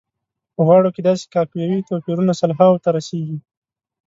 په غاړو کې داسې قافیوي توپیرونه سلهاوو ته رسیږي.